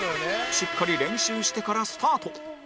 しっかり練習してからスタート！